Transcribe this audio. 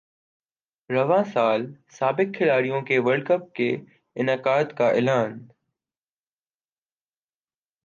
رواں سال سابق کھلاڑیوں کے ورلڈ کپ کے انعقاد کا اعلان